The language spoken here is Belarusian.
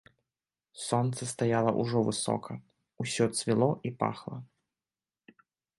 Сонца стаяла ўжо высока, усё цвіло і пахла.